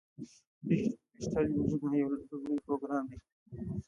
ډیجیټل انډیا یو لوی پروګرام دی.